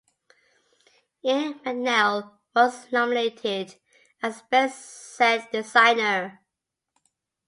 Ian MacNeil was nominated as Best Set Designer.